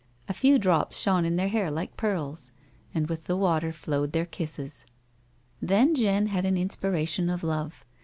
A few drops shone in their hair like pearls, and with the water flowed their kisses. Then Jeanne had an inspiration of love.